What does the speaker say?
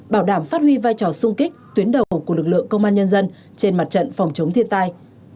bảo đảm phát huy vai trò sung kích tuyến đầu của lực lượng công an nhân dân trên mặt trận phòng chống thiên tai